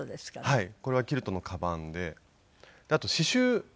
はい。